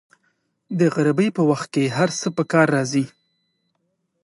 د غریبۍ په وخت کې هر څه په کار راځي.